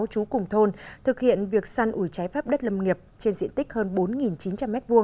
chú cùng thôn thực hiện việc săn ủi trái phép đất lâm nghiệp trên diện tích hơn bốn chín trăm linh m hai